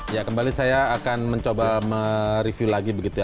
ya kembali saya akan mencoba mereview lagi begitu ya